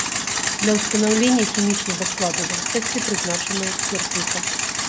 Для ўстанаўлення хімічнага складу вадкасці прызначаная экспертыза.